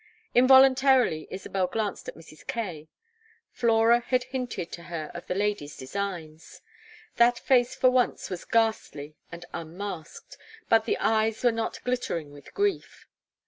Involuntarily Isabel glanced at Mrs. Kaye; Flora had hinted to her of the lady's designs. That face for once was ghastly and unmasked, but the eyes were not glittering with grief.